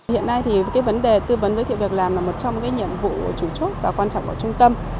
hiện nay thì vấn đề tư vấn giới thiệu việc làm là một trong những nhiệm vụ chủ trúc và quan trọng của trung tâm